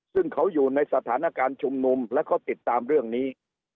ซึ่งเขาอยู่ในสถานการณ์ชุมนุมและเขาติดตามเรื่องนี้